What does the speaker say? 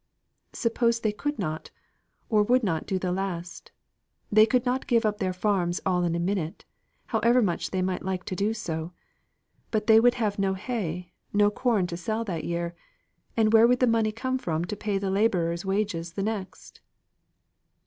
"Suppose they could not, or would not do the last; they could not give up their farms all in a minute, however much they might wish to do so; but they would have no hay, nor corn to sell that year; and where would the money come from to pay the labourers' wages the next?"